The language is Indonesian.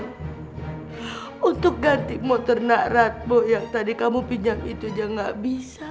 ibu untuk ganti motor nak ratbo yang tadi kamu pinjam itu aja gak bisa